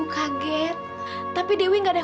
sita itu siapa